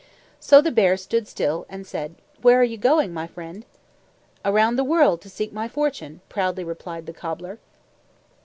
So the bear stood still and said, "Where are you going, my friend?" "Around the world to seek my fortune," proudly replied the cobbler.